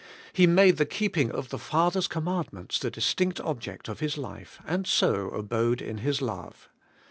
He made the keeping of the Father's commandments the distinct object of His life, and so abode in His love.